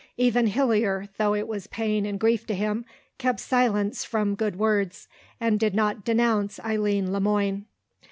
Even Hillier, though it was pain and grief to him, kept silence from good words, and did not denounce Eileen Le Moine.